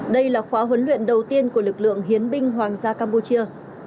đây là khóa huấn luyện đầu tiên của lực lượng hiến binh hoàng gia campuchia